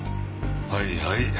はいはい。